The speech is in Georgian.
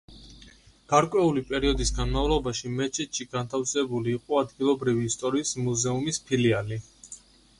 გარკვეული პერიოდის განმავლობაში მეჩეთში განთავსებული იყო ადგილობრივი ისტორიის მუზეუმის ფილიალი.